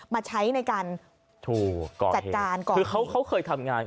มาใช้ในการถูกก่อนจัดการก่อนคือเขาเขาเคยทำงาน